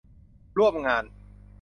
ร่วมงาน